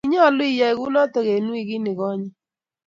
Kinyalu iyai kunotok wikit nigonye.